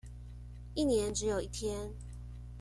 一年只有一天